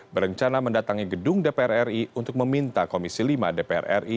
berencana mendatangi gedung dpr ri untuk meminta komisi lima dpr ri